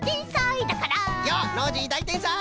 よっノージーだいてんさい！